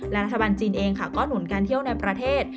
และรัฐบาลจีนเองค่ะก็หนุนการเที่ยวในประเทศ